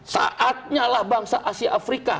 saatnya lah bangsa asia afrika